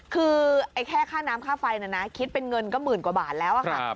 คือแค่ค่าน้ำค่าไฟนะนะคิดเป็นเงินก็หมื่นกว่าบาทแล้วค่ะ